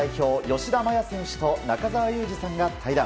吉田麻也選手と中澤佑二さんが対談。